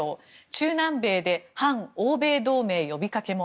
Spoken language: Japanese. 中南米で反欧米同盟呼びかけも。